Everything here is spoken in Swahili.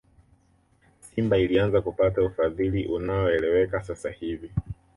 simba ilianza kupata ufadhili unaoeleweka sasa hivi